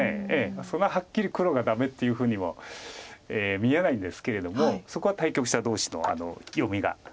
そんなはっきり黒がダメっていうふうには見えないんですけれどもそこは対局者同士の読みが。